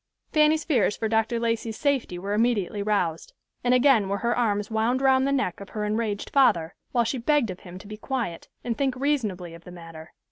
Fanny's fears for Dr. Lacey's safety were immediately roused; and again were her arms wound round the neck of her enraged father, while she begged of him to be quiet, and think reasonably of the matter.